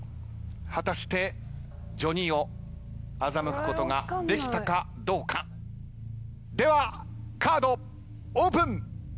果たしてＪＯＮＩＯ欺くことができたかどうかではカードオープン。